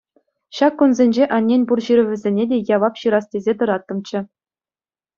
Ҫак кунсенче аннен пур ҫырӑвӗсене те явап ҫырас тесе тӑраттӑмччӗ.